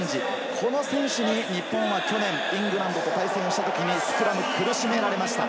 この選手に日本は去年イングランドと対戦したときにスクラムで苦しめられました。